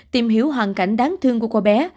tìm hiểu hoàn cảnh đáng thương của cô bé